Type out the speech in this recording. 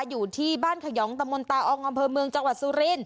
อยู่ที่บ้านขยองตะมนตาอองอำเภอเมืองจังหวัดสุริน